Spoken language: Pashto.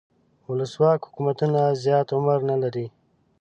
ولسواک حکومتونه زیات عمر نه لري.